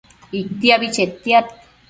Itiabi chetiad